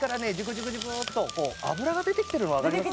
ジュクジュクっと脂が出てきてるのわかります？